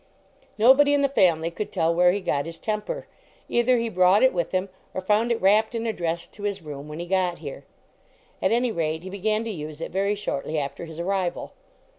Nobody in the family could tell where he got his temper. Either he brought it with him, or found it wrapped and addressed to his room when he got here. At any rate, he began to use it very shortly after his arrival.